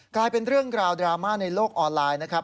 กลายเป็นเรื่องราวดราม่าในโลกออนไลน์นะครับ